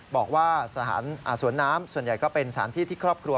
บอกว่าสวนน้ำส่วนใหญ่ก็เป็นสถานที่ที่ครอบครัว